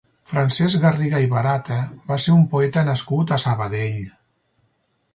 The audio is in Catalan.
Francesc Garriga i Barata va ser un poeta nascut a Sabadell.